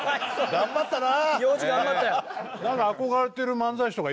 頑張ったな！